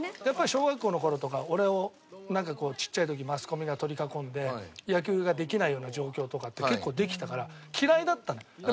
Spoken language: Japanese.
やっぱり小学校の頃とか俺をなんかこうちっちゃい時マスコミが取り囲んで野球ができないような状況とかって結構できてたから嫌いだったのよ。